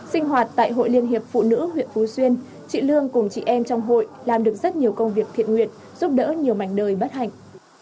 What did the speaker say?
sinh hoạt tại hội liên hiệp phụ nữ huyện phú xuyên chị lương cùng chị em trong hội làm được rất nhiều công việc thiện nguyện giúp đỡ nhiều mảnh đời bất hạnh